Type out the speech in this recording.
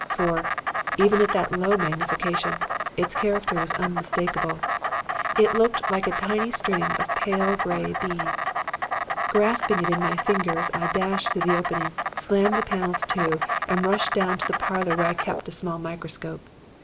For, even at that low magnification, its character was unmistakable it looked like a tiny string of pale gray beads. Grasping it in my fingers, I dashed through the opening, slammed the panels to, and rushed down to the parlor where I kept a small microscope.